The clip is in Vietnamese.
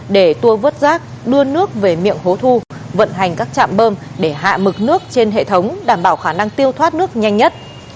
để tour vớt rác đưa nước về miệng hố thu vận hành các trạm bơm để hạ mực nước trên hệ thống đảm bảo khả năng tiêu thoát nước nhanh nhất